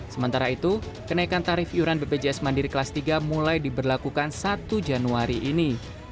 sementara itu kenaikan tarif iuran bpjs mandiri kelas tiga mulai diberlakukan satu januari ini